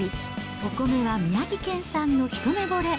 お米は宮城県産のひとめぼれ。